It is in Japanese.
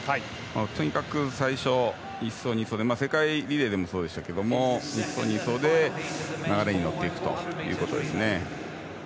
とにかく最初、１走、２走世界リレーでもそうでしたが１走、２走で流れに乗っていくということですね。